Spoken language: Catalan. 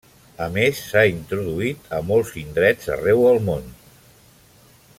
A més s'ha introduït a molts indrets arreu el món.